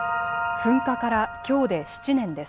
噴火からきょうで７年です。